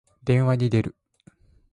電話に出る。